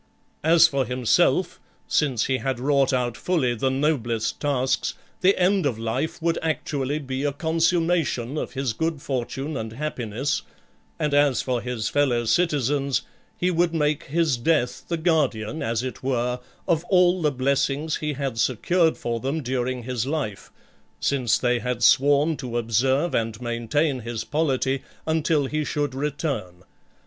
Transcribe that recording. As for himself, since he had wrought out fully the noblest tasks, the end of life would actually be a consummation of his good for tune and happiness ; and as for his fellow citizens, he would make his death the guardian, as it were, of all the blessings he had secured for them during his life, since they had sworn to observe and maintain his polity until he should return.